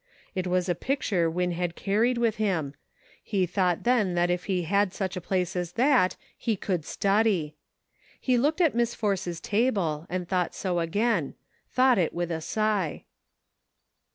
It was a picture Win had carried with him ; he thought then that CIRCLES. 133 if he had such a place as that he could study. He looked at Miss Force's table, and thought so again ; thought it with a sigh.